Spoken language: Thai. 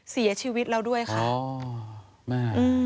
เสียชีวิตแล้วด้วยค่ะ